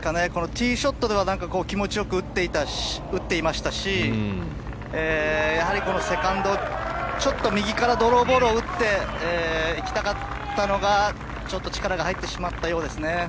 ティーショットでは気持ち良く打っていましたしやはりセカンドちょっと右からドローボールを打っていきたかったのが力が入ってしまったようですね。